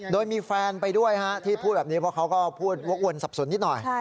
โดยมีแฟนไปด้วยที่พูดแบบนี้เพราะเขาก็พูดวกวนสับสนนิดหน่อย